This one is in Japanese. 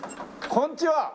こんにちは。